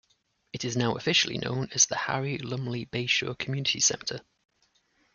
It is now officially known as the Harry Lumley Bayshore Community Centre.